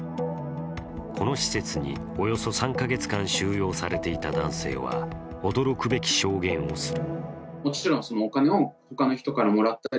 この施設に、およそ３か月間、収容されていた男性は驚くべき証言をする。